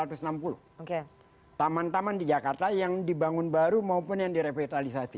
taman taman di jakarta yang dibangun baru maupun yang direvitalisasi